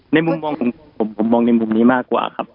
มุมมองผมมองในมุมนี้มากกว่าครับ